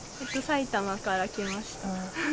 埼玉から来ました。